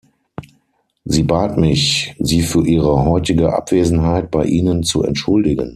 Sie bat mich, sie für ihre heutige Abwesenheit bei Ihnen zu entschuldigen.